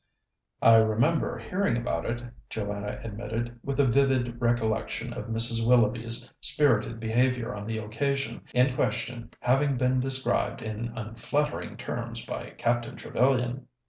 "I remember hearing about it," Joanna admitted, with a vivid recollection of Mrs. Willoughby's spirited behaviour on the occasion in question having been described in unflattering terms by Captain Trevellyan.